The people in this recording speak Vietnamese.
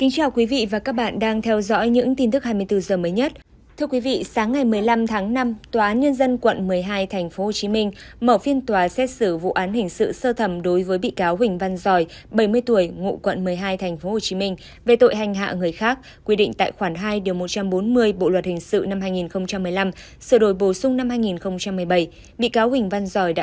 chào mừng quý vị đến với bộ phim hãy nhớ like share và đăng ký kênh của chúng mình nhé